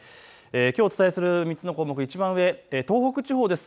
きょうお伝えする３つの項目、いちばん上、東北地方です。